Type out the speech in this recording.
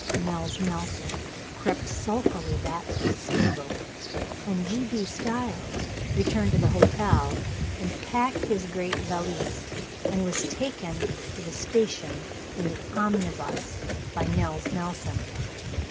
Nels Nelson crept sulkily back to the stable, and G. B. Stiles returned to the hotel and packed his great valise and was taken to the station in the omnibus by Nels Nelson.